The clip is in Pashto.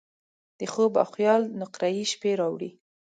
د خوب او خیال نقرهيي شپې راوړي